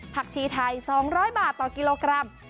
ชีไทย๒๐๐บาทต่อกิโลกรัม